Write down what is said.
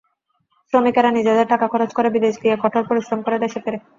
শ্রমিকেরা নিজেদের টাকা খরচ করে বিদেশ গিয়ে কঠোর পরিশ্রম করে দেশে ফেরে।